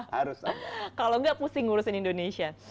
harus sabar kalau enggak pusing ngurusin indonesia